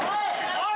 おい！